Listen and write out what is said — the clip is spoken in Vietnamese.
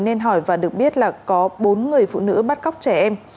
nên hỏi và được biết là có bốn người phụ nữ bắt cóc trẻ em